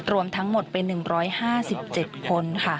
รวมทั้งหมดเป็น๑๕๗คนค่ะ